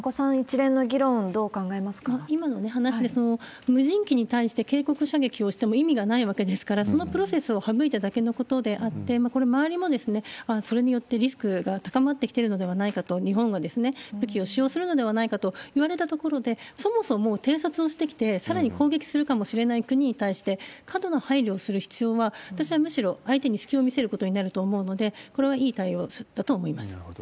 金子さん、一連の議論、どう今の話で、無人機に対して警告射撃をしても意味がないわけですから、そのプロセスを省いただけのことであって、これ、周りも、それによってリスクが高まってきてるのではないかと、日本が武器を使用するのではないかといわれたところで、そもそも偵察をしてきて、さらに攻撃するかもしれない国に対して、過度の配慮をする必要は、私はむしろ、相手に隙を見せることになると思うので、これはいい対応だと思います。